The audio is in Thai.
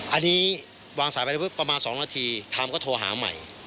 อันนี้วางสายไปประมาณ๒นาทีไทม์ก็โทรหาใหม่